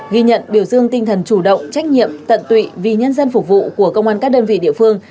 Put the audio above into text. ghi nhận biểu dương tinh thần chủ động trách nhiệm tận tụy vì nhân dân phục vụ của công an các đơn vị địa phương